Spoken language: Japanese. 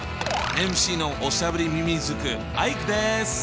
ＭＣのおしゃべりみみずくアイクです！